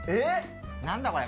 何だこれ！